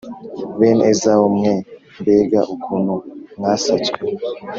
bene ezawu mwe, mbega ukuntu mwasatswe!